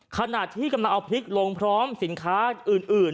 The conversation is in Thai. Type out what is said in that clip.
ขณะที่กำลังเอาพริกลงพร้อมสินค้าอื่น